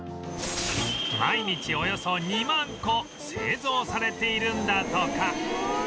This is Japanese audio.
毎日およそ２万個製造されているんだとか